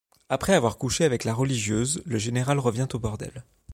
Après avoir couché avec la religieuse, le général revient au bordel.